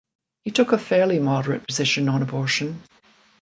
He took a fairly moderate position on abortion.